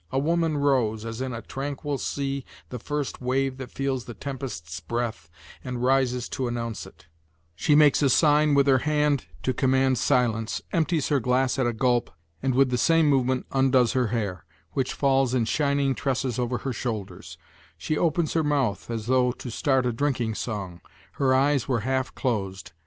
A woman rose, as in a tranquil sea the first wave that feels the tempest's breath, and rises to announce it; she makes a sign with her hand to command silence, empties her glass at a gulp, and with the same movement undoes her hair, which falls in shining tresses over her shoulders; she opens her mouth as though to start a drinking song; her eyes were half closed.